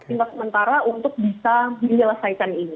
pintas mentara untuk bisa menyelesaikan